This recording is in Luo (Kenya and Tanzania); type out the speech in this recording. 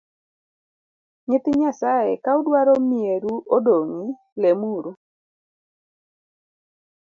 Nyithii nyasae ka udwaro mier u odong’i lem uru